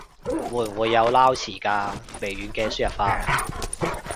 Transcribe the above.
會唔會有撈詞㗎？微軟嘅輸入法